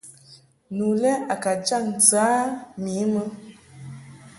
Nu le a ka jaŋ ntɨ a mi mɨ.